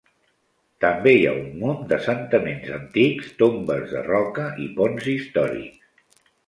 També hi ha un munt d'assentaments antics, tombes de roca i ponts històrics.